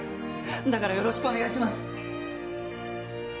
だからよろしくお願いします。